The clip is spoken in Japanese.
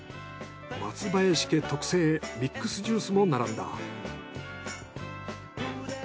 松林家特製ミックスジュースも並んだ。